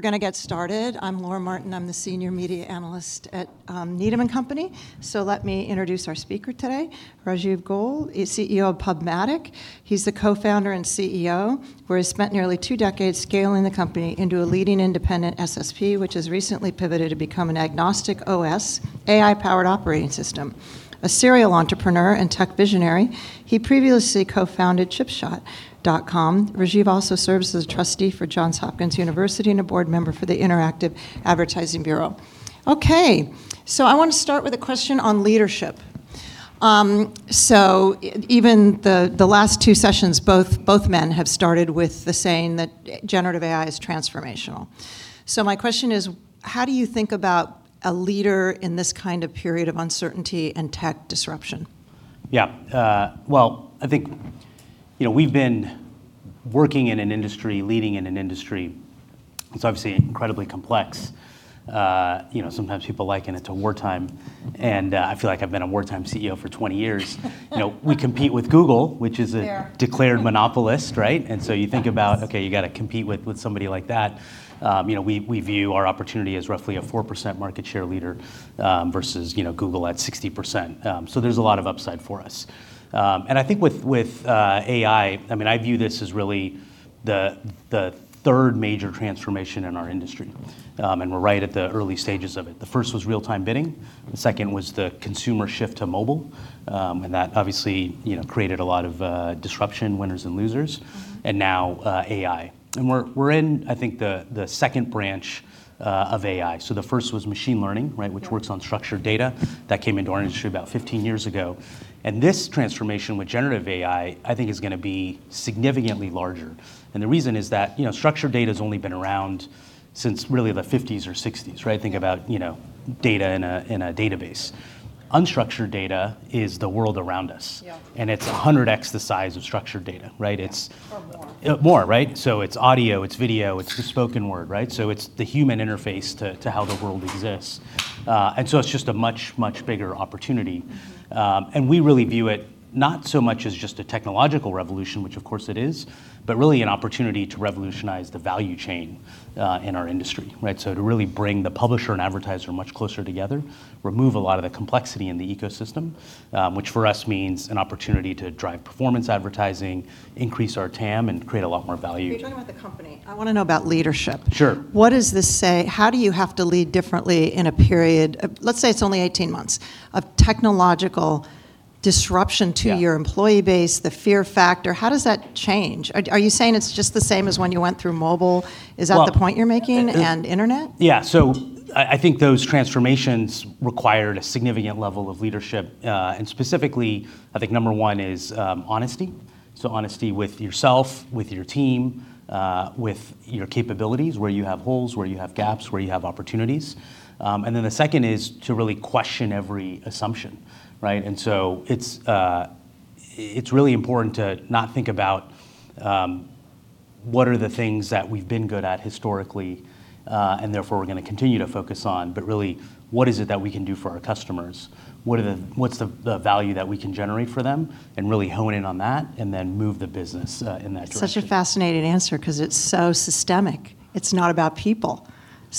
We're gonna get started. I'm Laura Martin. I'm the Senior Analyst at Needham & Company. Let me introduce our speaker today. Rajeev Goel is CEO of PubMatic. He's the co-founder and CEO, where he spent nearly two decades scaling the company into a leading independent SSP, which has recently pivoted to become an agnostic OS, AI-powered operating system. A serial entrepreneur and tech visionary, he previously co-founded Chipshot.com. Rajeev also serves as a trustee for Johns Hopkins University and a board member for the Interactive Advertising Bureau. Okay, I want to start with a question on leadership. Even the last two sessions, both men have started with the saying that generative AI is transformational. My question is: How do you think about a leader in this kind of period of uncertainty and tech disruption? Yeah. Well, I think, you know, we've been working in an industry, leading in an industry that's obviously incredibly complex. You know, sometimes people liken it to wartime, and I feel like I've been a wartime CEO for 20 years. You know, we compete with Google. Which is a declared monopolist, right? Fair. Okay, you gotta compete with somebody like that. You know, we view our opportunity as roughly a 4% market share leader versus, you know, Google at 60%. There's a lot of upside for us. I think with AI, I mean, I view this as really the third major transformation in our industry, and we're right at the early stages of it. The first was real-time bidding, the second was the consumer shift to mobile, and that obviously, you know, created a lot of disruption, winners and losers. Now, AI. We're in, I think, the second branch of AI. The first was machine learning, right? Yeah. Which works on structured data. That came into our industry about 15 years ago. This transformation with generative AI, I think is gonna be significantly larger. The reason is that, you know, structured data's only been around since really the 1950s or 1960s, right? Think about, you know, data in a database. Unstructured data is the world around us. Yeah. It's 100x the size of structured data, right? Yeah. More. More, right? It's audio, it's video, it's the spoken word, right? It's the human interface to how the world exists. It's just a much bigger opportunity. We really view it not so much as just a technological revolution, which of course it is, but really an opportunity to revolutionize the value chain in our industry. To really bring the publisher and advertiser much closer together, remove a lot of the complexity in the ecosystem, which for us means an opportunity to drive performance advertising, increase our TAM, and create a lot more value. You're talking about the company. I wanna know about leadership. Sure. What does this say? How do you have to lead differently in a period of, let's say it's only 18 months, of technological disruption, 1your employee base, the fear factor? How does that change? Are you saying it's just the same as when you went through mobile? Is that the point you're making an internet? I think those transformations required a significant level of leadership. Specifically, I think number one is honesty. Honesty with yourself, with your team, with your capabilities, where you have holes, where you have gaps, where you have opportunities. The second is to really question every assumption, right? It's really important to not think about what are the things that we've been good at historically, we're gonna continue to focus on, but really, what is it that we can do for our customers? What's the value that we can generate for them? Really hone in on that and then move the business in that direction. Such a fascinating answer because it's so systemic. It's not about people.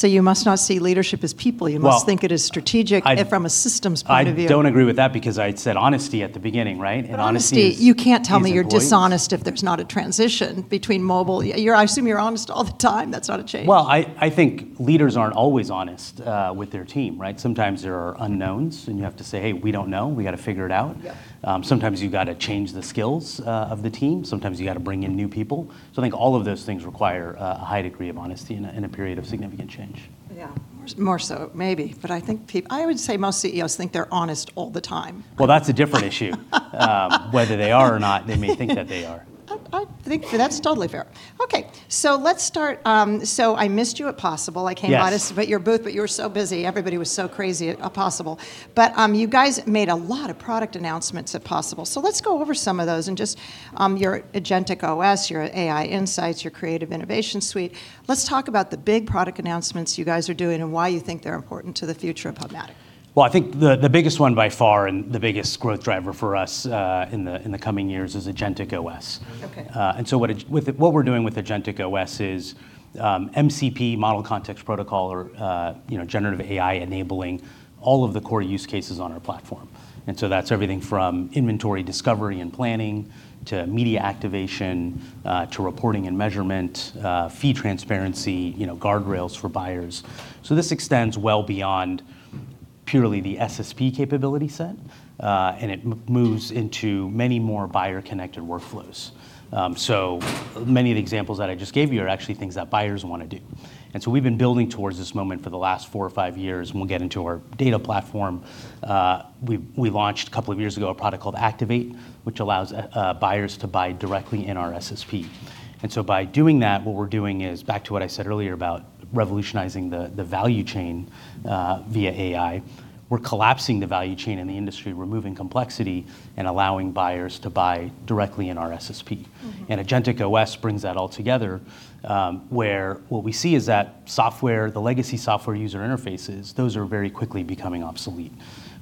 You must not see leadership as people. You must think it as strategic from a systems point of view. I don't agree with that because I said honesty at the beginning, right? Honesty, you can't tell me you're dishonest. If there's not a transition between mobile. I assume you're honest all the time. That's not a change. Well, I think leaders aren't always honest with their team, right? Sometimes there are unknowns. You have to say, "Hey, we don't know. We gotta figure it out. Yeah. Sometimes you gotta change the skills of the team. Sometimes you gotta bring in new people. I think all of those things require a high degree of honesty in a period of significant change. Yeah. More so, maybe. I think I would say most CEOs think they're honest all the time. Well, that's a different issue. Whether they are or not, they may think that they are. I think that's totally fair. Okay. Let's start. I missed you at POSSIBLE. Yes. I came by to your booth, but you were so busy. Everybody was so crazy at POSSIBLE. You guys made a lot of product announcements at POSSIBLE. Let's go over some of those and just, your AgenticOS, your AI Insights, your Creative Innovation Suite. Let's talk about the big product announcements you guys are doing and why you think they're important to the future of PubMatic. Well, I think the biggest one by far and the biggest growth driver for us, in the coming years is AgenticOS. Okay. What we're doing with AgenticOS is MCP, Model Context Protocol, you know, generative AI enabling all of the core use cases on our platform. That's everything from inventory discovery and planning to media activation, to reporting and measurement, fee transparency, you know, guardrails for buyers. This extends well beyond purely the SSP capability set, and it moves into many more buyer-connected workflows. Many of the examples that I just gave you are actually things that buyers wanna do. We've been building towards this moment for the last four or five years, and we'll get into our data platform. We launched a couple of years ago a product called Activate, which allows buyers to buy directly in our SSP. By doing that, what we're doing is, back to what I said earlier about revolutionizing the value chain, via AI, we're collapsing the value chain in the industry, removing complexity, and allowing buyers to buy directly in our SSP. AgenticOS brings that all together, where what we see is that software, the legacy software user interfaces, those are very quickly becoming obsolete.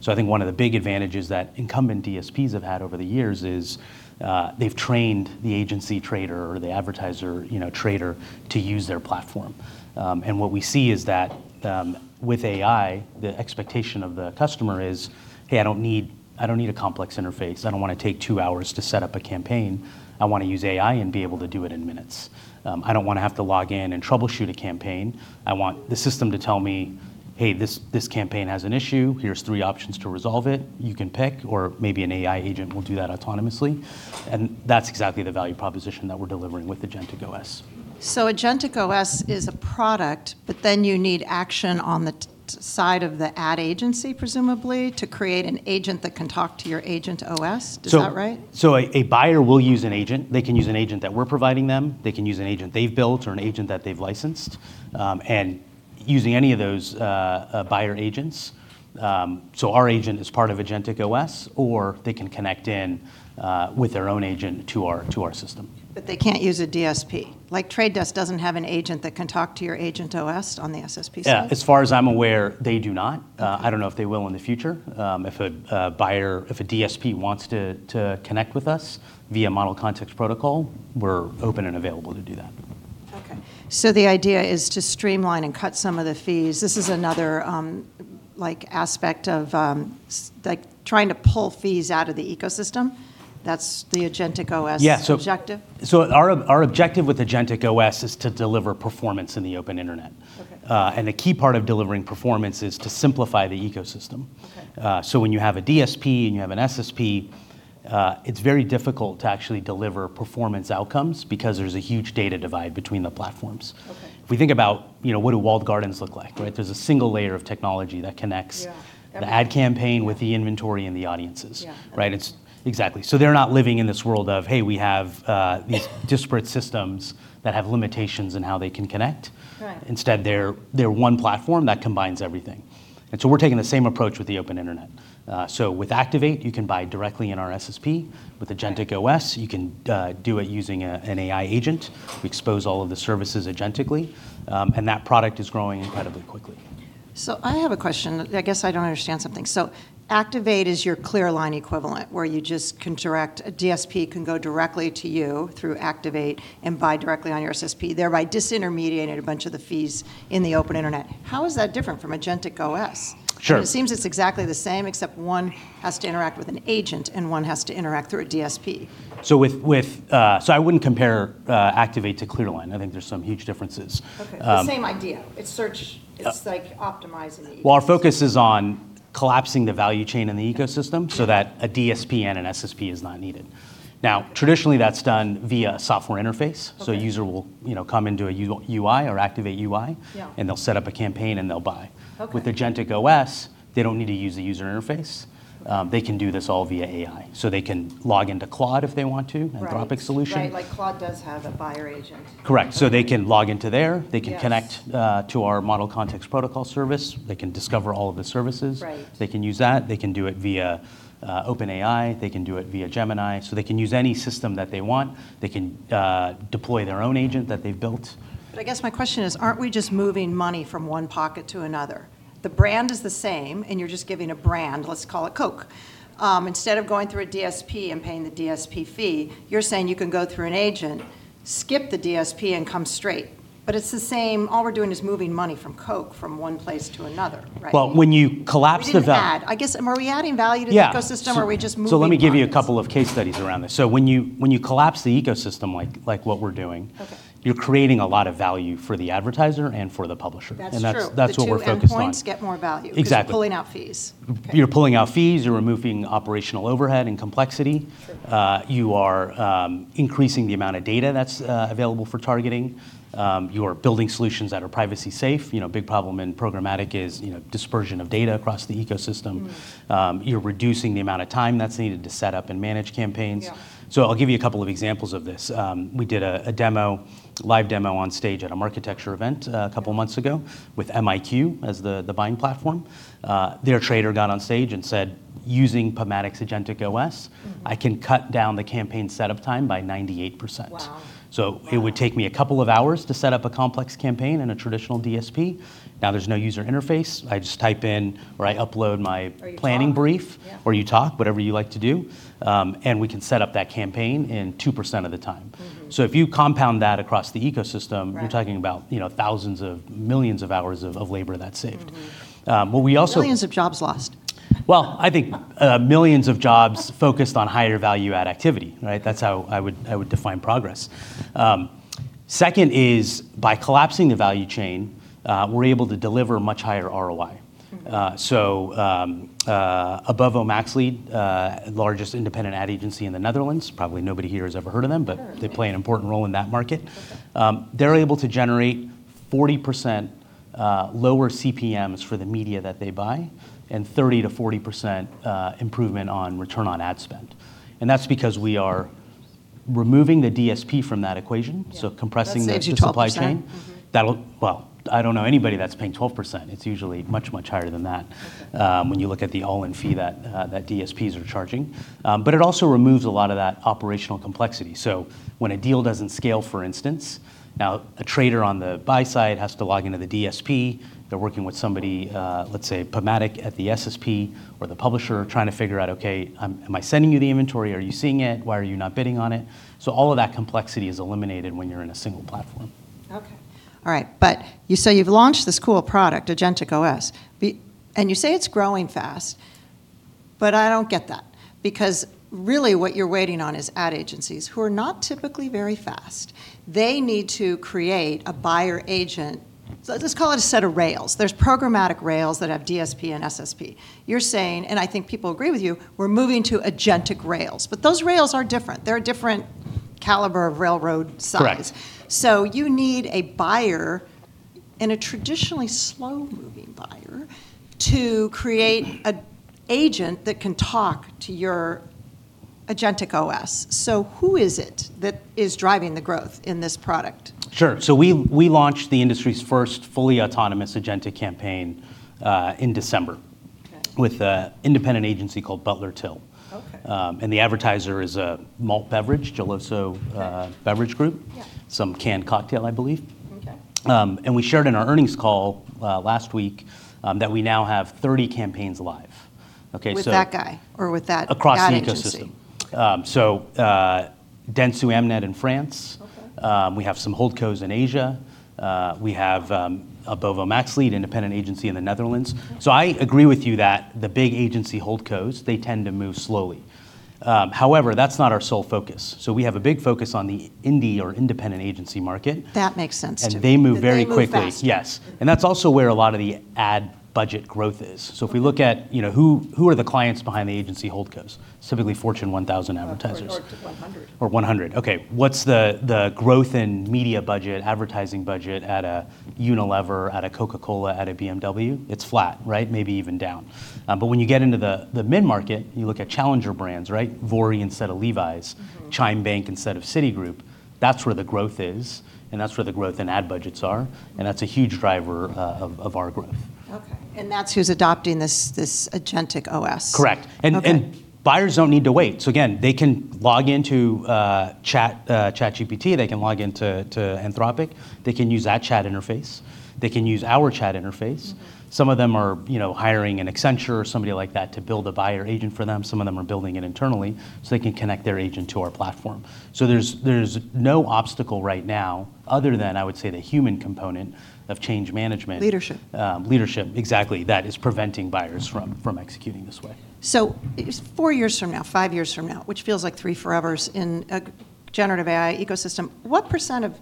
I think one of the big advantages that incumbent DSPs have had over the years is, they've trained the agency trader or the advertiser, you know, trader to use their platform. What we see is that, with AI, the expectation of the customer is, "Hey, I don't need a complex interface. I don't wanna take two hours to set up a campaign. I wanna use AI and be able to do it in minutes. I don't wanna have to log in and troubleshoot a campaign. I want the system to tell me, 'Hey, this campaign has an issue. Here's three options to resolve it. You can pick, or maybe an AI agent will do that autonomously. That's exactly the value proposition that we're delivering with AgenticOS. AgenticOS is a product, but then you need action on the side of the ad agency, presumably, to create an agent that can talk to your AgenticOS? Is that right? A buyer will use an agent. They can use an agent that we're providing them. They can use an agent they've built or an agent that they've licensed. Using any of those buyer agents, our agent is part of AgenticOS, or they can connect in with their own agent to our system. They can't use a DSP. The Trade Desk doesn't have an agent that can talk to your AgenticOS on the SSP side? Yeah, as far as I'm aware, they do not. I don't know if they will in the future. If a buyer, if a DSP wants to connect with us via Model Context Protocol, we're open and available to do that. Okay. The idea is to streamline and cut some of the fees. This is another, like, aspect of, trying to pull fees out of the ecosystem? That's the AgenticOS objective? Our objective with AgenticOS is to deliver performance in the open internet. Okay. The key part of delivering performance is to simplify the ecosystem. Okay. When you have a DSP and you have an SSP, it's very difficult to actually deliver performance outcomes because there's a huge data divide between the platforms. Okay. If we think about, you know, what do walled gardens look like, right? There's a single layer of technology that connects the ad campaign with the inventory and the audiences. Yeah. Right? It's Exactly. They're not living in this world of, "Hey, we have these disparate systems that have limitations in how they can connect. Right. Instead, they're one platform that combines everything. We're taking the same approach with the open internet. With Activate, you can buy directly in our SSP. With AgenticOS, you can do it using an AI agent. We expose all of the services agentically. That product is growing incredibly quickly. I have a question. I guess I don't understand something. Activate is your ClearLine equivalent where a DSP can go directly to you through Activate and buy directly on your SSP, thereby disintermediating a bunch of the fees in the open internet. How is that different from AgenticOS? Sure. It seems it's exactly the same except one has to interact with an agent and one has to interact through a DSP. I wouldn't compare Activate to ClearLine. I think there's some huge differences. Okay. It's the same idea. It's search. It's, like, optimizing. Well, our focus is on collapsing the value chain in the ecosystem so that a DSP and an SSP is not needed. Traditionally, that's done via software interface. Okay. A user will, you know, come into a UI or Activate UI. Yeah. They'll set up a campaign and they'll buy. Okay. With AgenticOS, they don't need to use the user interface. They can do this all via AI. They can log into Claude if they want to. Right. Anthropic solution. Right, like Claude does have a buyer agent. Correct. They can log into there. Yes. They can connect to our Model Context Protocol service. They can discover all of the services. Right. They can use that. They can do it via OpenAI. They can do it via Gemini. They can use any system that they want. They can deploy their own agent that they've built. I guess my question is, aren't we just moving money from one pocket to another? The brand is the same, and you're just giving a brand, let's call it Coke. Instead of going through a DSP and paying the DSP fee, you're saying you can go through an agent, skip the DSP, and come straight. It's the same. All we're doing is moving money from Coke from one place to another, right? Well, when you collapse the. We didn't add. I guess, are we adding value to the ecosystem? Yeah. Are we just moving money? Let me give you a couple of case studies around this. When you collapse the ecosystem like what we're doing. Okay You're creating a lot of value for the advertiser and for the publisher. That's true. That's what we're focused on. The two endpoints get more value. Exactly You're pulling out fees. Okay. You're pulling out fees. You're removing operational overhead and complexity. Sure. You are increasing the amount of data that's available for targeting. You are building solutions that are privacy safe. You know, big problem in programmatic is, you know, dispersion of data across the ecosystem. You're reducing the amount of time that's needed to set up and manage campaigns. Yeah. I'll give you a couple of examples of this. We did a demo, live demo on stage at a MarTech event a couple months ago with MiQ as the buying platform. Their trader got on stage and said, "Using PubMatic's AgenticOS. I can cut down the campaign set-up time by 98%. So, it would take me a couple of hours to set up a complex campaign in a traditional DSP. Now there's no user interface. I just type in or I upload. You talk. Planning brief. Yeah. Or you talk, whatever you like to do. We can set up that campaign in 2% of the time. If you compound that across the ecosystem. Right. You're talking about, you know, thousands of millions of hours of labor that's saved. Um, but we also- Millions of jobs lost. Well, I think millions of jobs focused on higher value add activity, right? That's how I would define progress. Second is, by collapsing the value chain, we're able to deliver much higher ROI. Abovo Maxlead, largest independent ad agency in the Netherlands, probably nobody here has ever heard of them. Sure. They play an important role in that market. They're able to generate 40% lower CPMs for the media that they buy, and 30%-40% improvement on return on ad spend. That's because we are removing the DSP from that equation. Yeah. Compressing the supply chain. That saves you 12%. Mm-hmm. Well, I don't know anybody that's paying 12%. It's usually much, much higher than that. Okay. When you look at the all-in fee that DSPs are charging. It also removes a lot of that operational complexity. When a deal doesn't scale, for instance, now a trader on the buy side has to log into the DSP. They're working with somebody, let's say PubMatic at the SSP, or the publisher trying to figure out, "Okay, am I sending you the inventory? Are you seeing it? Why are you not bidding on it?" All of that complexity is eliminated when you're in a single platform. Okay. All right. You say you've launched this cool product, AgenticOS. You say it's growing fast, but I don't get that. Really what you're waiting on is ad agencies, who are not typically very fast. They need to create a buyer agent. Let's call it a set of rails. There's programmatic rails that have DSP and SSP. You're saying, and I think people agree with you, we're moving to agentic rails. Those rails are different. They're a different caliber of railroad size. Correct. You need a buyer, and a traditionally slow-moving buyer. To create a agent that can talk to your AgenticOS. Who is it that is driving the growth in this product? Sure. We launched the industry's first fully autonomous agentic campaign in December. Okay With an independent agency called Butler/Till. Okay. The advertiser is a malt beverage, Geloso Beverage Group. Yeah. Some canned cocktail, I believe. Okay. We shared in our earnings call last week that we now have 30 campaigns live. With that guy or with that ad agency? Across the ecosystem. Dentsu Amnet in France. Okay. We have some holdcos in Asia. We have Abovo Maxlead, independent agency in the Netherlands. Okay. I agree with you that the big agency holdcos, they tend to move slowly. However, that's not our sole focus. We have a big focus on the indie or independent agency market. That makes sense to me. They move very quickly. They move fast. Yes. That's also where a lot of the ad budget growth is. If we look at, you know, who are the clients behind the agency holdcos, specifically Fortune 1,000 advertisers? Or 100. 100. Okay. What's the growth in media budget, advertising budget at a Unilever, at a Coca-Cola, at a BMW? It's flat, right? Maybe even down. When you get into the mid-market, you look at challenger brands, right? Vuori instead of Levi's. Chime Bank instead of Citigroup. That's where the growth is, and that's where the growth in ad budgets are, and that's a huge driver, of our growth. Okay. That's who's adopting this AgenticOS? Correct. Okay. Buyers don't need to wait. Again, they can log into chat ChatGPT. They can log into Anthropic. They can use that chat interface. They can use our chat interface. Some of them are, you know, hiring an Accenture or somebody like that to build a buyer agent for them. Some of them are building it internally, so they can connect their agent to our platform. There's no obstacle right now, other than I would say the human component of change management. Leadership. Leadership, exactly. That is preventing buyers from executing this way. Four years from now, five years from now, which feels like three forevers in a generative AI ecosystem. What percent of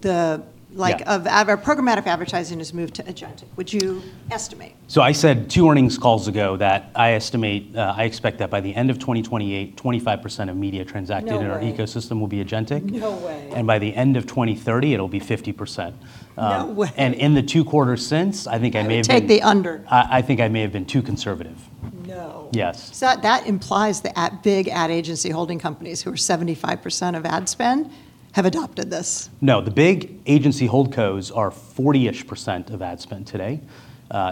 the like of a programmatic advertising has moved to agentic, would you estimate? I said two earnings calls ago that I estimate, I expect that by the end of 2028, 25% of media transacted in our ecosystem will be agentic. No way. By the end of 2030, it'll be 50%. No way. In the two quarters since. I would take the under. I think I may have been too conservative. No. Yes. That implies the big ad agency holding companies, who are 75% of ad spend, have adopted this. No. The big agency holdcos are 40-ish% of ad spend today.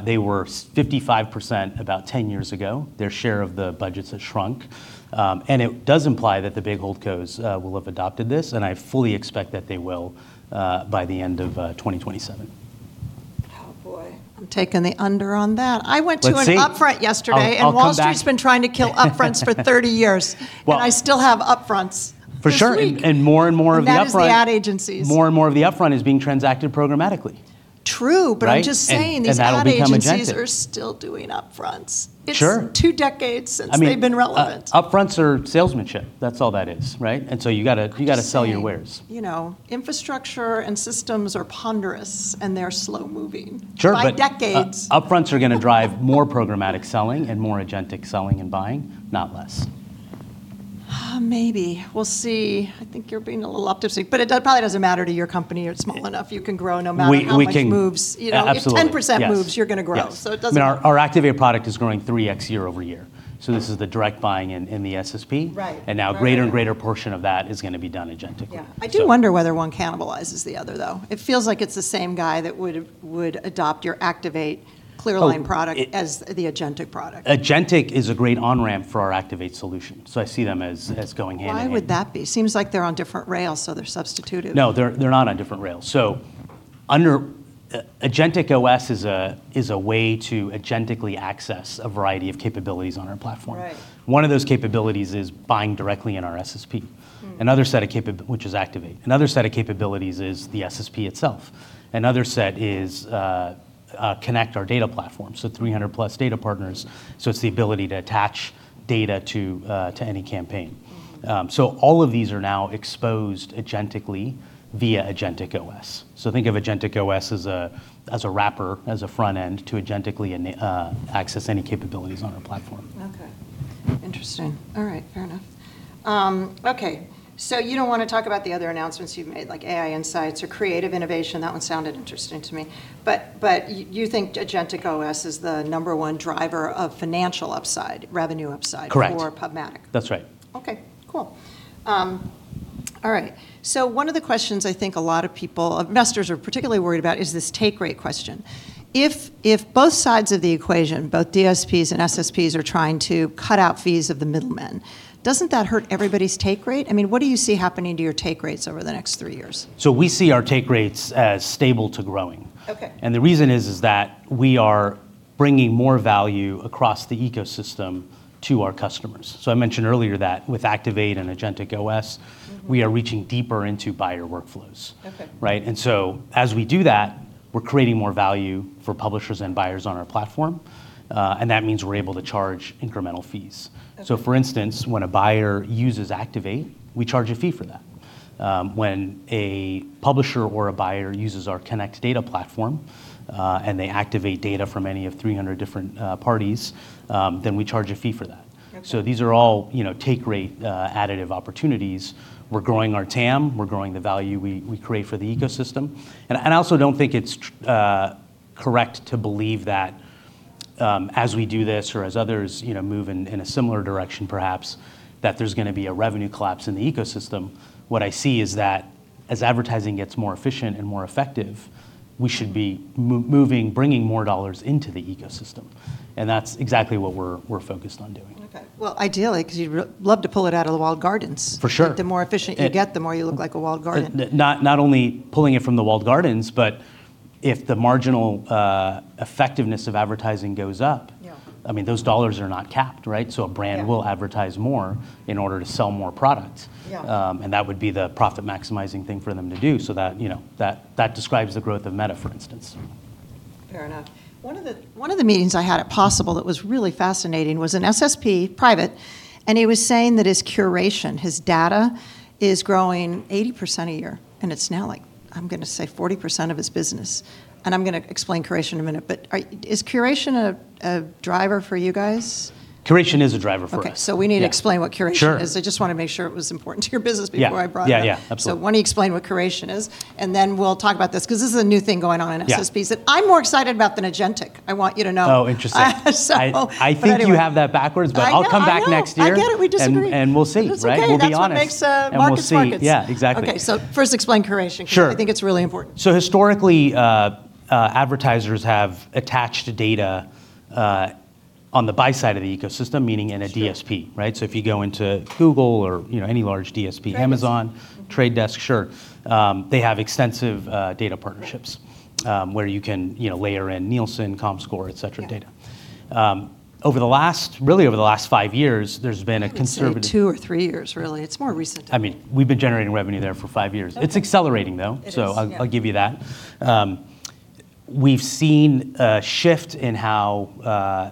They were 55% about 10 years ago. Their share of the budgets has shrunk. It does imply that the big holdcos will have adopted this, and I fully expect that they will by the end of 2027. Oh, boy. I'm taking the under on that. Let's see. I went to an upfront yesterday. I'll come back. Wall Street's been trying to kill upfronts for 30 years. I still have upfronts this week. For sure. That is the ad agencies. More and more of the upfront is being transacted programmatically. True. Right? I'm just saying these ad agencies. That'll become agentic. Are still doing upfronts. Sure. It's two decades since they've been relevant. I mean, upfronts are salesmanship. That's all that is, right? You gotta sell your wares. I'm just saying, you know, infrastructure and systems are ponderous, and they're slow-moving. Sure. By decades. Upfronts are going to drive more programmatic selling and more Agentic selling and buying, not less. Oh, maybe. We'll see. I think you're being a little optimistic. It probably doesn't matter to your company. You're small enough. You can grow no matter how much moves. We can absolutely. You know, if 10% moves. Yes. You're gonna grow. Yes. It doesn't matter. I mean, our Activate product is growing 3x year-over-year. This is the direct buying in the SSP. Right. Now greater and greater portion of that is gonna be done agentically. Yeah. I do wonder whether one cannibalizes the other, though. It feels like it's the same guy that would adopt your Activate ClearLine product as the Agentic product. Agentic is a great on-ramp for our Activate solution, so I see them as going hand-in-hand. Why would that be? Seems like they're on different rails, so they're substituted. No, they're not on different rails. Under AgenticOS is a way to agentically access a variety of capabilities on our platform. Right. One of those capabilities is buying directly in our SSP. Another set of capabilities which is Activate. Another set of capabilities is the SSP itself. Another set is Connect our data platform, so 300+ data partners. It's the ability to attach data to any campaign. All of these are now exposed agentically via AgenticOS. Think of AgenticOS as a, as a wrapper, as a front end to agentically access any capabilities on our platform. Okay. Interesting. All right, fair enough. Okay, you don't want to talk about the other announcements you've made, like AI Insights or Creative Innovation. That one sounded interesting to me. You think AgenticOS is the number one driver of financial upside, revenue upside. Correct. For PubMatic? That's right. Cool. All right, one of the questions I think a lot of people, investors are particularly worried about is this take rate question. If both sides of the equation, both DSPs and SSPs are trying to cut out fees of the middlemen, doesn't that hurt everybody's take rate? I mean, what do you see happening to your take rates over the next three years? We see our take rates as stable to growing. Okay. The reason is that we are bringing more value across the ecosystem to our customers. I mentioned earlier that with Activate and AgenticOS. We are reaching deeper into buyer workflows. Okay. Right? As we do that, we're creating more value for publishers and buyers on our platform. That means we're able to charge incremental fees. Okay. For instance, when a buyer uses Activate, we charge a fee for that. When a publisher or a buyer uses our Connect data platform, and they activate data from any of 300 different parties, then we charge a fee for that. Okay. These are all, you know, take rate additive opportunities. We're growing our TAM, we're growing the value we create for the ecosystem. I also don't think it's correct to believe that as we do this or as others, you know, move in a similar direction perhaps, that there's gonna be a revenue collapse in the ecosystem. What I see is that as advertising gets more efficient and more effective, we should be moving, bringing more dollars into the ecosystem, and that's exactly what we're focused on doing. Okay. Well, ideally 'cause you love to pull it out of the walled gardens. For sure. The more efficient you get, the more you look like a walled garden. Not only pulling it from the walled gardens, but if the marginal effectiveness of advertising goes up. Yeah I mean, those dollars are not capped, right? Yeah. So a brand will advertise more in order to sell more product. Yeah. That would be the profit maximizing thing for them to do so that, you know, that describes the growth of Meta, for instance. Fair enough. One of the meetings I had at POSSIBLE that was really fascinating was an SSP private, and he was saying that his curation, his data is growing 80% a year, and it's now like, I'm gonna say, 40% of his business. I'm gonna explain curation in a minute, but Is curation a driver for you guys? Curation is a driver for us. Okay. We need to explain what curation is. Sure. I just wanna make sure it was important to your business before I brought it up. Yeah. Yeah, yeah. Absolutely. Why don't you explain what curation is, and then we'll talk about this 'cause this is a new thing going on in SSPs. Yeah. I'm more excited about than Agentic, I want you to know. Oh, interesting. Anyway. I think you have that backwards, but I'll come back next year. I know, I know. I get it. We disagree. We'll see. It's okay. We'll be honest. That's what makes markets markets. We'll see. Yeah, exactly. Okay. first explain curation. Sure. Because I think it's really important. Historically, advertisers have attached data on the buy side of the ecosystem, meaning in a DSP. Sure. Right? If you go into Google or, you know, any large DSP. Trade Desk. Mm-hmm Amazon, Trade Desk, sure. They have extensive data partnerships, where you can, you know, layer in Nielsen, Comscore, et cetera data. Yeah. Over the last, really over the last five years, there's been a conservative. I would say two or three years really. It's more recent than that. I mean, we've been generating revenue there for five years. Okay. It's accelerating though. It is, yeah. I'll give you that. We've seen a shift in how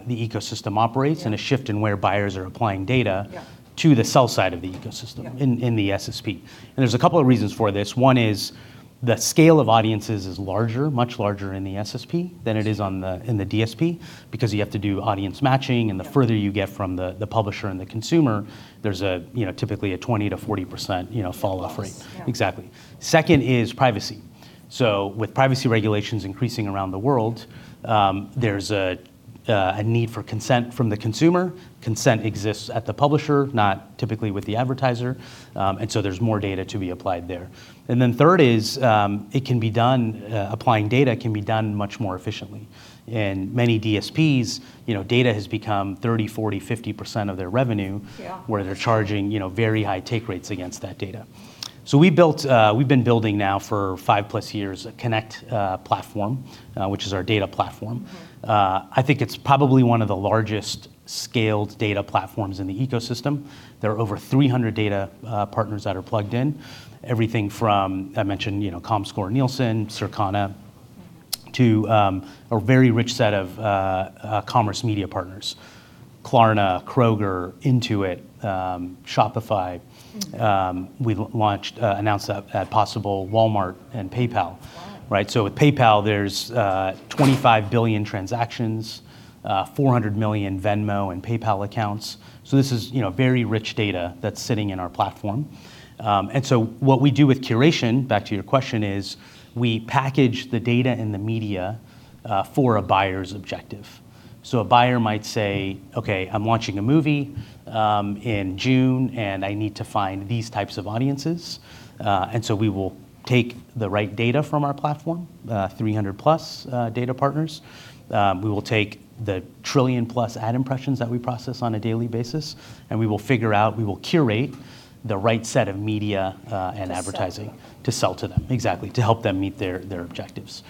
the ecosystem operates and a shift in where buyers are applying data to the sell side of the ecosystem in the SSP. There's a couple of reasons for this. One is the scale of audiences is larger, much larger in the SSP than it is on the, in the DSP because you have to do audience matching. Yeah. The further you get from the publisher and the consumer, there's a, you know, typically a 20%-40%, you know, falloff rate. Loss. Yeah. Exactly. Second is privacy. With privacy regulations increasing around the world, there's a need for consent from the consumer. Consent exists at the publisher, not typically with the advertiser. There's more data to be applied there. Third is, it can be done, applying data can be done much more efficiently. In many DSPs, you know, data has become 30%, 40%, 50% of their revenue where they're charging, you know, very high take rates against that data. We built, we've been building now for five-plus years a Connect platform, which is our data platform. I think it's probably one of the largest scaled data platforms in the ecosystem. There are over 300 data partners that are plugged in. Everything from, I mentioned, you know, Comscore, Nielsen, Circana. To a very rich set of commerce media partners. Klarna, Kroger, Intuit, Shopify. We've launched, announced at POSSIBLE Walmart and PayPal. Wow. Right. With PayPal there's $25 billion transactions, $400 million Venmo and PayPal accounts. This is, you know, very rich data that's sitting in our platform. What we do with curation, back to your question, is we package the data and the media for a buyer's objective. A buyer might say, "Okay, I'm launching a movie in June, and I need to find these types of audiences." We will take the right data from our platform, 300+ data partners. We will take the trillion-plus ad impressions that we process on a daily basis, and we will figure out, we will curate the right set of media. To sell to them. To sell to them. Exactly. To help them meet their objectives.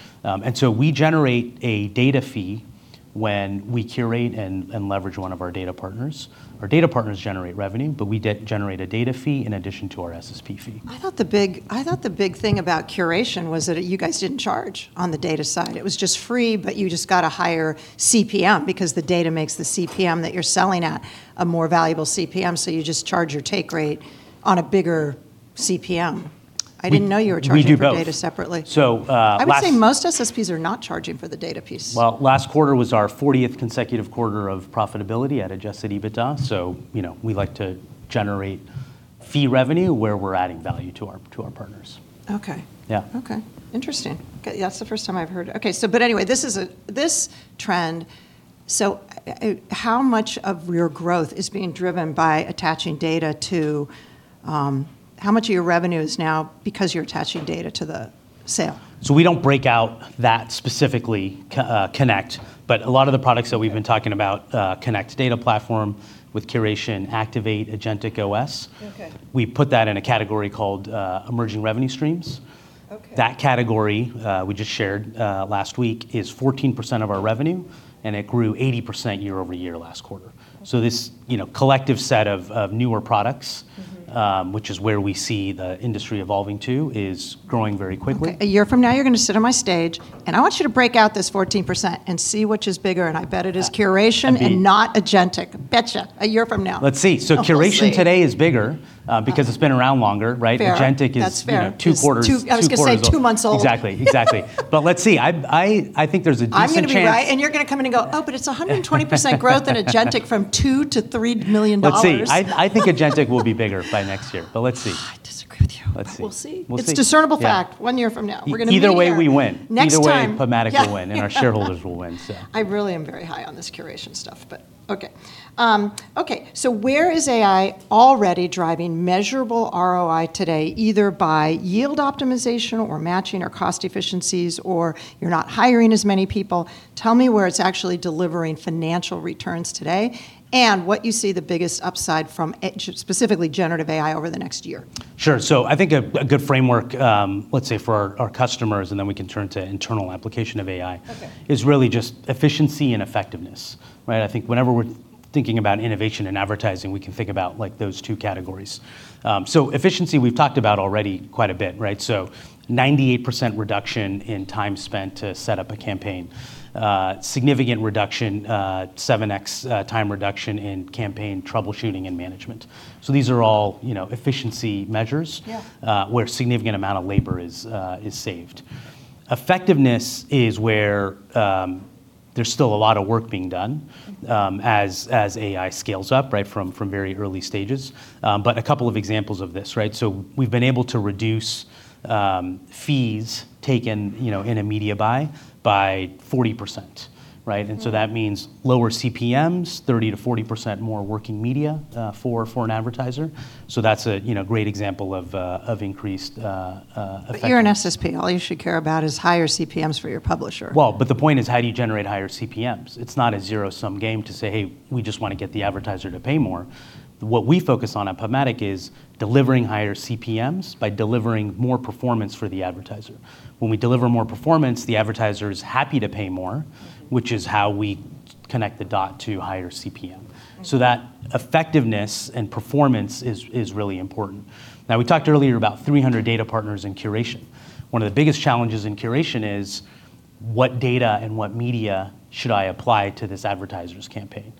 We generate a data fee when we curate and leverage one of our data partners. Our data partners generate revenue, we generate a data fee in addition to our SSP fee. I thought the big thing about curation was that you guys didn't charge on the data side. It was just free, but you just got a higher CPM because the data makes the CPM that you're selling at a more valuable CPM, so you just charge your take rate on a bigger CPM. I didn't know you were charging. We do both. For data separately. I would say most SSPs are not charging for the data piece. Well, last quarter was our 40th consecutive quarter of profitability at adjusted EBITDA. You know, we like to generate fee revenue where we're adding value to our partners. Okay. Yeah. Okay. Interesting. Okay, that's the first time I've heard it. Anyway, this trend, how much of your growth is being driven by attaching data to, How much of your revenue is now because you're attaching data to the sale? We don't break out that specifically, Connect. A lot of the products that we've been talking about, Connect Data Platform with curation, Activate, AgenticOS. Okay. We put that in a category called, emerging revenue streams. Okay. That category, we just shared, last week, is 14% of our revenue, and it grew 80% year-over-year last quarter. Okay. This, you know, collective set of newer products. Which is where we see the industry evolving to, is growing very quickly. Okay. A year from now you're gonna sit on my stage, and I want you to break out this 14% and see which is bigger, and I bet it is curation and not Agentic. Betcha, a year from now. Let's see. We'll see. Curation today is bigger, because it's been around longer, right? Fair. Agentic. That's fair. You know, two quarters. Two quarters old. It's two. I was gonna say two months old. Exactly. Exactly. Let's see. I think there's a decent chance. I'm gonna be right, and you're gonna come in and go, "Oh, but it's 120% growth in Agentic from $2 million-$3 million. Let's see. I think Agentic will be bigger by next year, but let's see. I disagree with you. Let's see. We'll see. We'll see. It's discernible fact. Yeah. One year from now. We're gonna be here. Either way we win. Next time. Either way, PubMatic will win. Yeah. Our shareholders will win. I really am very high on this curation stuff, but okay. Okay. Where is AI already driving measurable ROI today, either by yield optimization or matching or cost efficiencies or you're not hiring as many people? Tell me where it's actually delivering financial returns today, and what you see the biggest upside from it, specifically generative AI over the next year. Sure. I think a good framework, let's say for our customers, and then we can turn to internal application of AI. Okay. Is really just efficiency and effectiveness, right? I think whenever we're thinking about innovation in advertising, we can think about, like, those two categories. Efficiency we've talked about already quite a bit, right? Significant reduction, 7x time reduction in campaign troubleshooting and management. These are all, you know, efficiency measures. Yeah. Where a significant amount of labor is saved. Effectiveness is where there's still a lot of work being done. As AI scales up, right, from very early stages. A couple of examples of this, right? We've been able to reduce fees taken, you know, in a media buy by 40%, right? That means lower CPMs, 30%-40% more working media for an advertiser. That's a, you know, great example of increased. You're an SSP. All you should care about is higher CPMs for your publisher. The point is how do you generate higher CPMs? It's not a zero-sum game to say, "Hey, we just wanna get the advertiser to pay more." What we focus on at PubMatic is delivering higher CPMs by delivering more performance for the advertiser. When we deliver more performance, the advertiser is happy to pay more. Which is how we connect the dot to higher CPM. That effectiveness and performance is really important. We talked earlier about 300 data partners in curation. One of the biggest challenges in curation is what data and what media should I apply to this advertiser's campaign?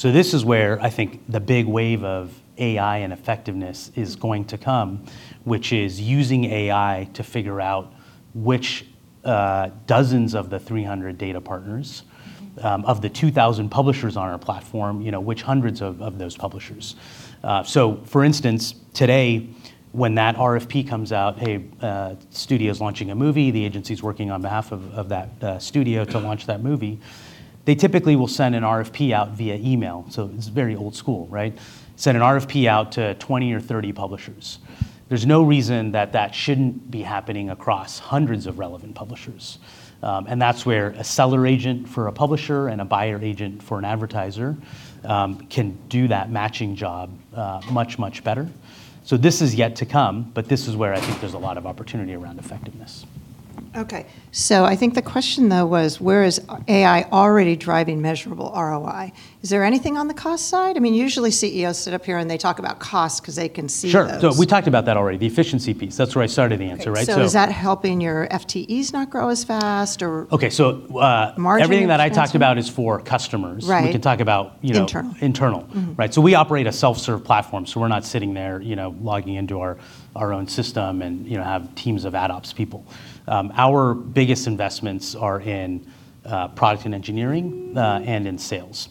This is where I think the big wave of AI and effectiveness is going to come, which is using AI to figure out which dozens of the 300 data partners. Of the 2,000 publishers on our platform, you know, which hundreds of those publishers. For instance, today, when that RFP comes out, hey, a studio's launching a movie, the agency's working on behalf of that studio to launch that movie, they typically will send an RFP out via email. It's very old school, right? Send an RFP out to 20 or 30 publishers. There's no reason that that shouldn't be happening across hundreds of relevant publishers. That's where a seller agent for a publisher and a buyer agent for an advertiser can do that matching job much better. This is yet to come, but this is where I think there's a lot of opportunity around effectiveness. Okay. I think the question though was where is AI already driving measurable ROI? Is there anything on the cost side? I mean, usually CEOs sit up here and they talk about cost 'cause they can see those. Sure. We talked about that already, the efficiency piece. That's where I started the answer, right? Okay. Is that helping your FTEs not grow as fast? Okay. Margin improvement somewhere? Everything that I talk about is for customers. Right. We can talk about, you know. Internal. Internal. Right. We operate a self-serve platform, so we're not sitting there, you know, logging into our own system and, you know, have teams of ad ops people. Our biggest investments are in product and engineering and in sales.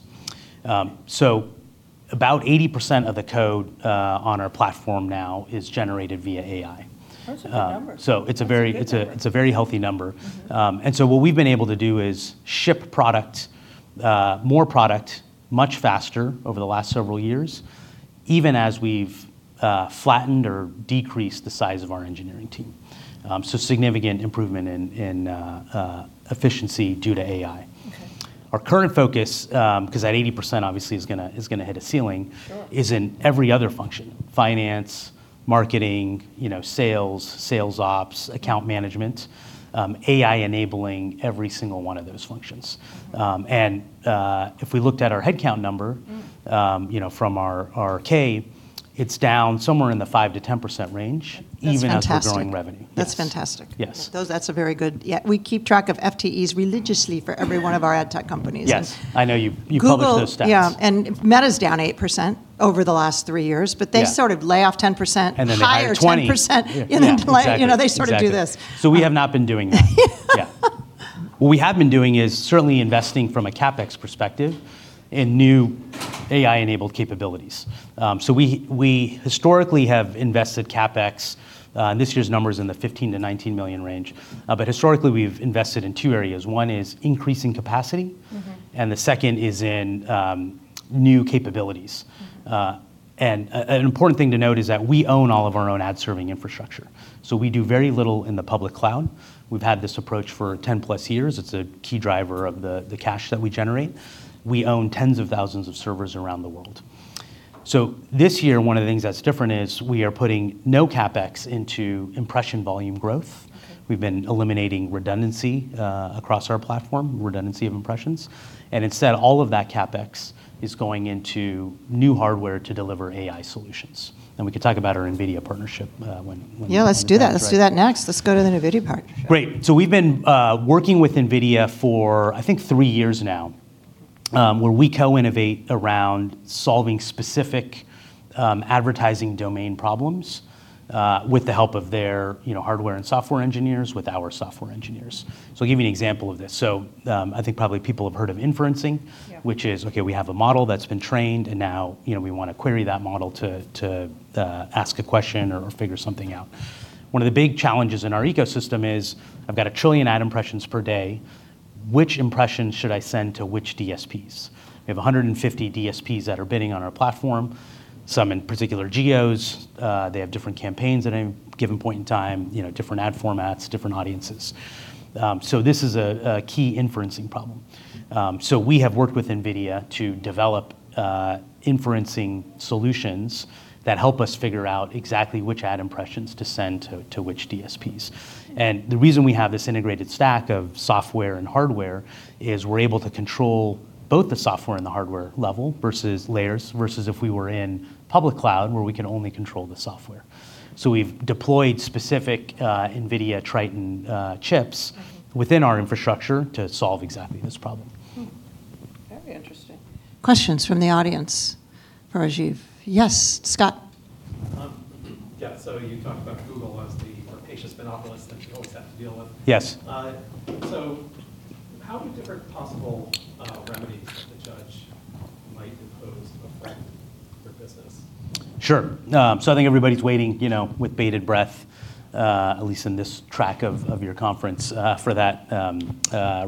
About 80% of the code on our platform now is generated via AI. Those are good numbers. So it's a very healthy number. What we've been able to do is ship product, more product much faster over the last several years, even as we've flattened or decreased the size of our engineering team. Significant improvement in efficiency due to AI. Okay. Our current focus, 'cause that 80% obviously is gonna hit a ceiling is in every other function: finance, marketing, you know, sales ops, account management. AI enabling every single one of those functions. If we looked at our headcount number, you know, from our K, it's down somewhere in the 5%-10% range. That's fantastic. Even as we're growing revenue. That's fantastic. Yes. Yeah, we keep track of FTEs religiously for every one of our ad tech companies. Yes. I know you publish those stats. Google Yeah. Meta's down 8% over the last three years. Yeah. They sort of lay off 10%. They hire 20%. Hire 10% and then they, you know, they sort of do this. Exactly. We have not been doing that. Yeah. What we have been doing is certainly investing from a CapEx perspective in new AI-enabled capabilities. We historically have invested CapEx, this year's number's in the $15 million-$19 million range. Historically we've invested in two areas. One is increasing capacity. The second is in new capabilities. An important thing to note is that we own all of our own ad-serving infrastructure, so we do very little in the public cloud. We've had this approach for 10+ years. It's a key driver of the cash that we generate. We own tens of thousands of servers around the world. This year, one of the things that's different is we are putting no CapEx into impression volume growth. We've been eliminating redundancy, across our platform, redundancy of impressions, and instead all of that CapEx is going into new hardware to deliver AI solutions, and we can talk about our NVIDIA partnership. Yeah, let's do that. Let's do that next. Let's go to the NVIDIA partnership. Great. We've been working with NVIDIA for, I think three years now, where we co-innovate around solving specific advertising domain problems with the help of their, you know, hardware and software engineers with our software engineers. I'll give you an example of this. I think probably people have heard of inferencing. Yeah. Which is, okay, we have a model that's been trained and now, you know, we want to query that model to ask a question or figure something out. One of the big challenges in our ecosystem is I've got 1 trillion ad impressions per day. Which impressions should I send to which DSPs? We have 150 DSPs that are bidding on our platform, some in particular geos. They have different campaigns at any given point in time, you know, different ad formats, different audiences. This is a key inferencing problem. We have worked with NVIDIA to develop inferencing solutions that help us figure out exactly which ad impressions to send to which DSPs. The reason we have this integrated stack of software and hardware is we're able to control both the software and the hardware level versus layers, versus if we were in public cloud where we can only control the software. We've deployed specific NVIDIA Triton chips. Within our infrastructure to solve exactly this problem. Hmm. Very interesting. Questions from the audience for Rajeev. Yes, Scott? Yeah, you talked about Google as the more patient monopolist that you always have to deal with. Yes. How do different POSSIBLE remedies that the judge might impose affect your business? Sure. I think everybody's waiting, you know, with bated breath, at least in this track of your conference, for that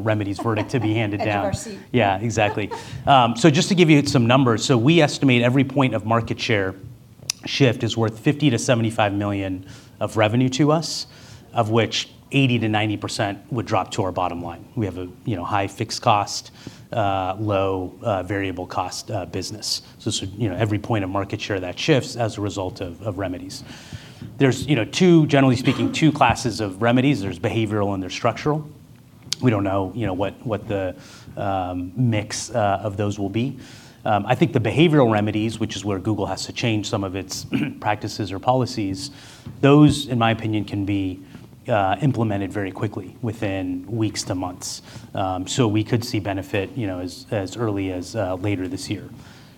remedies verdict to be handed down. Edge of our seat. Yeah, exactly. Just to give you some numbers, we estimate every point of market share shift is worth $50 million-$75 million of revenue to us, of which 80%-90% would drop to our bottom line. We have a, you know, high fixed cost, low variable cost business. You know, every point of market share that shifts as a result of remedies. There's, you know, two classes of remedies. There's behavioral and there's structural. We don't know, you know, what the mix of those will be. I think the behavioral remedies, which is where Google has to change some of its practices or policies, those, in my opinion, can be implemented very quickly within weeks to months. We could see benefit, you know, as early as later this year.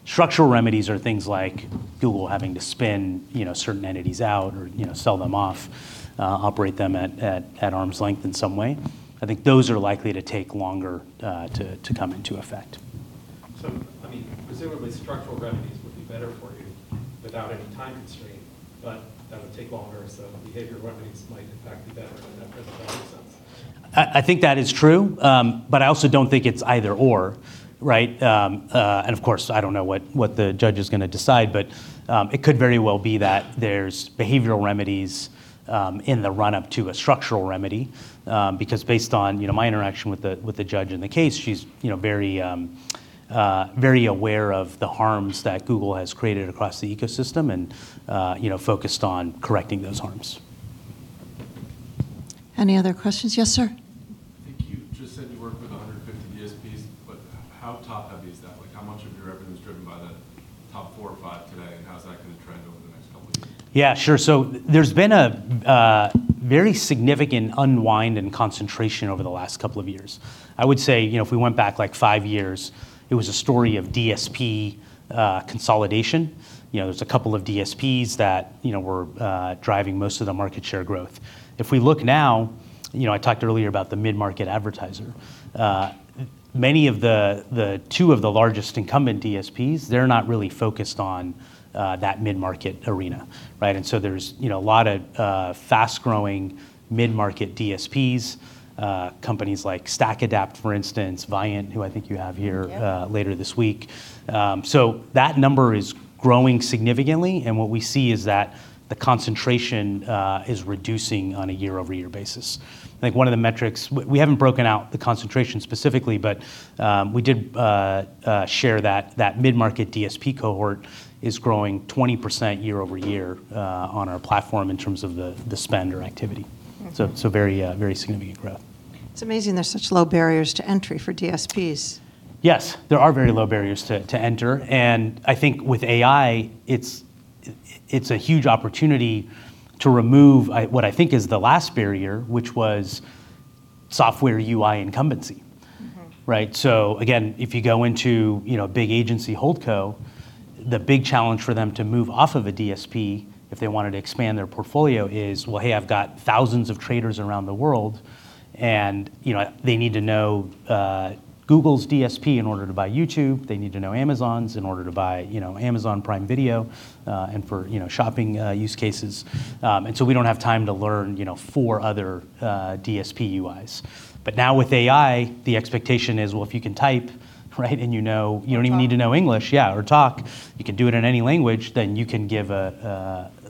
Structural remedies are things like Google having to spin, you know, certain entities out or, you know, sell them off, operate them at arm's length in some way. I think those are likely to take longer to come into effect. I mean, presumably structural remedies would be better for you without any time constraint, but that would take longer. Behavioral remedies might in fact be better in that present policy sense. I think that is true, I also don't think it's either/or, right? Of course, I don't know what the judge is gonna decide, but it could very well be that there's behavioral remedies in the run-up to a structural remedy. Because based on, you know, my interaction with the judge in the case, she's, you know, very, very aware of the harms that Google has created across the ecosystem and, you know, focused on correcting those harms. Any other questions? Yes, sir. I think you just said you work with 150 DSPs. How top heavy is that? Like how much of your revenue is driven by the top four or five today, and how is that gonna trend over the next couple years? Yeah, sure. There's been a very significant unwind in concentration over the last couple of years. I would say, you know, if we went back like five years, it was a story of DSP consolidation. You know, there's a couple of DSPs that, you know, were driving most of the market share growth. If we look now, you know, I talked earlier about the mid-market advertiser. Many of the two of the largest incumbent DSPs, they're not really focused on that mid-market arena, right? There's, you know, a lot of fast-growing mid-market DSPs, companies like StackAdapt, for instance, Viant, who I think you have here. Yep. Later this week. That number is growing significantly, and what we see is that the concentration is reducing on a year-over-year basis. I think one of the metrics, we haven't broken out the concentration specifically, but we did share that mid-market DSP cohort is growing 20% year-over-year on our platform in terms of the spend or activity. Very, very significant growth. It's amazing there's such low barriers to entry for DSPs. Yes, there are very low barriers to enter, and I think with AI it's a huge opportunity to remove what I think is the last barrier, which was software UI incumbency. Right? Again, if you go into, you know, a big agency holdco, the big challenge for them to move off of a DSP if they wanted to expand their portfolio is, well, hey, I've got thousands of traders around the world, and, you know, they need to know Google's DSP in order to buy YouTube, they need to know Amazon's in order to buy, you know, Amazon Prime Video, and for, you know, shopping use cases. We don't have time to learn, you know, four other DSP UIs. Now with AI, the expectation is, well, if you can type, right, and you know you don't even need to know English. Talk. Yeah, or talk. You can do it in any language, then you can give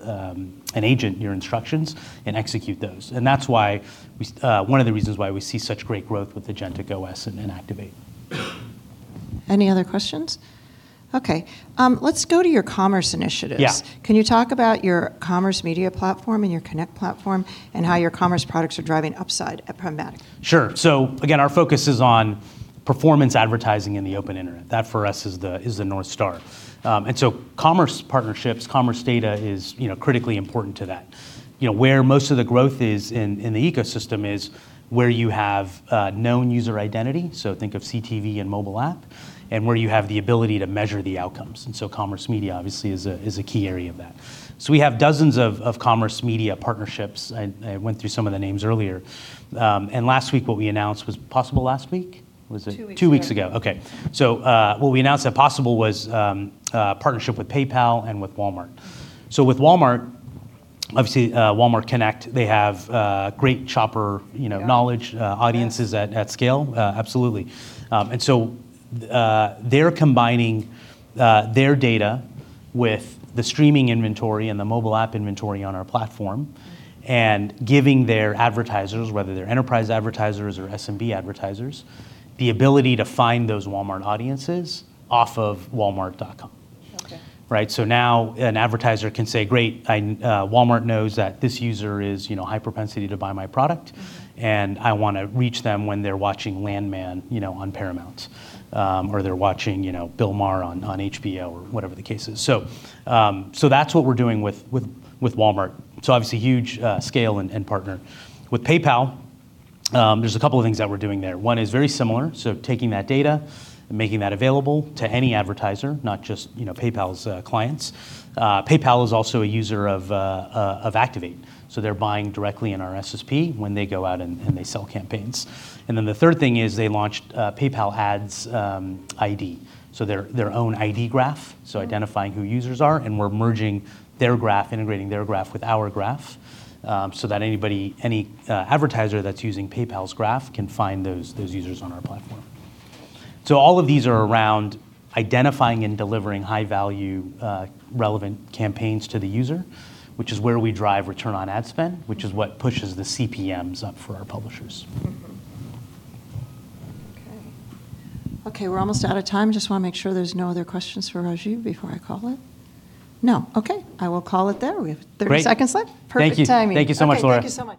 an agent your instructions and execute those. That's why one of the reasons why we see such great growth with AgenticOS and Activate. Any other questions? Okay. Let's go to your commerce initiatives. Yeah. Can you talk about your commerce media platform and your Connect platform? Yeah. How your commerce products are driving upside at PubMatic? Sure. Again, our focus is on performance advertising in the open internet. That for us is the North Star. Commerce partnerships, commerce data is, you know, critically important to that. You know, where most of the growth is in the ecosystem is where you have known user identity, so think of CTV and mobile app, and where you have the ability to measure the outcomes. Commerce media obviously is a key area of that. We have dozens of commerce media partnerships. I went through some of the names earlier. Last week what we announced was POSSIBLE last week? Two weeks ago. Two weeks ago, okay. What we announced at POSSIBLE was a partnership with PayPal and with Walmart. With Walmart, obviously, Walmart Connect, they have great shopper, you know, knowledge, audiences at scale. Absolutely. They're combining their data with the streaming inventory and the mobile app inventory on our platform. Giving their advertisers, whether they're enterprise advertisers or SMB advertisers, the ability to find those Walmart audiences off of walmart.com. Okay. Right? Now an advertiser can say, Great, Walmart knows that this user is, you know, high propensity to buy my product. I wanna reach them when they're watching 'Landman,' you know, on Paramount, or they're watching, you know, 'Bill Maher' on HBO or whatever the case is. That's what we're doing with Walmart, obviously a huge scale and partner. With PayPal, there's a couple of things that we're doing there. One is very similar, taking that data and making that available to any advertiser, not just, you know, PayPal's clients. PayPal is also a user of Activate, so they're buying directly in our SSP when they go out and they sell campaigns. Then the third thing is they launched PayPal Ads ID, their own ID graph. Identifying who users are, and we're merging their graph, integrating their graph with our graph, so that anybody, any advertiser that's using PayPal's graph can find those users on our platform. All of these are around identifying and delivering high-value, relevant campaigns to the user, which is where we drive return on ad spend. Which is what pushes the CPMs up for our publishers. Okay. Okay, we're almost out of time. Just wanna make sure there's no other questions for Rajeev before I call it. No. Okay, I will call it there. We have 30 seconds left. Great. Perfect timing. Thank you. Thank you so much, Laura. Okay, thank you so much.